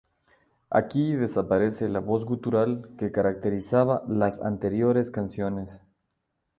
Aquí desaparece la voz gutural que caracterizaba las anteriores canciones.